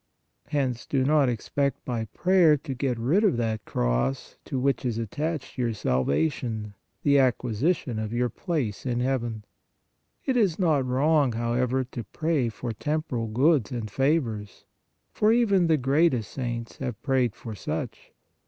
Hence do not expect by prayer to get rid of that cross to which is attached your salvation, the acquisition of your place in heaven. It is not wrong, however, to pray for temporal goods and favors, for even the greatest saints have prayed for such.